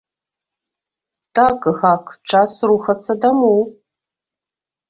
Так, гак, час рухацца дамоў!